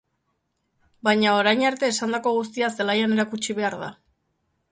Baina orain arte esandako guztia zelaian erakutsi behar da.